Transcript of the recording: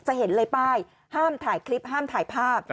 จะเห็นเลยป้ายห้ามถ่ายคลิปห้ามถ่ายภาพ